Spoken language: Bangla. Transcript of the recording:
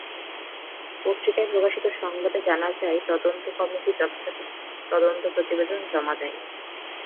পত্রিকায় প্রকাশিত সংবাদে জানা যায়, তদন্ত কমিটি যথাযথ তদন্ত প্রতিবেদন জমা দেয়।